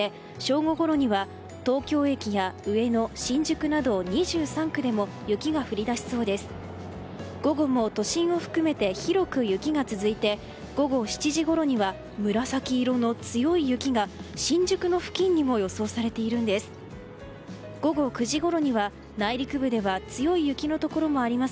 午後も都心を含めて広く雪が続いて午後７時ごろには紫色の強い雪が新宿付近にも予想されているんです。